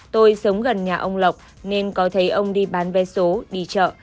tôi sống gần nhà ông lộc nên có thấy ông đi bán vé số đi chợ